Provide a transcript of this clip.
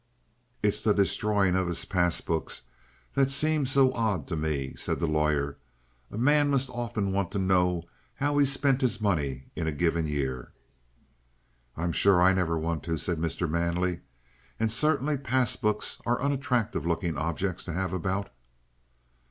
"It's the destroying of his pass books that seems so odd to me," said the lawyer. "A man must often want to know how he spent his money in a given year." "I'm sure I never want to," said Mr. Manley. "And certainly pass books are unattractive looking objects to have about."